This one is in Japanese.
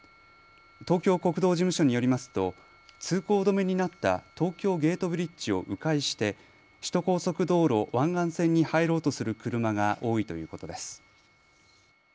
東京国道事務所によりますと通行止めになった東京ゲートブリッジをう回して首都高速道路湾岸線に入ろうとする車が多いということです。